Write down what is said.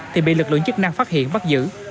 thì bị lực lượng chức năng phát hiện bắt giữ